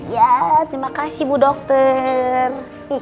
ya terima kasih bu dokter